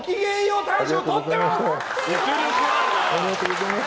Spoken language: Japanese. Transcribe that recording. ありがとうございます。